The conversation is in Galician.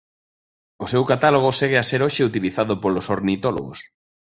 O seu catálogo segue a ser hoxe utilizado polos ornitólogos.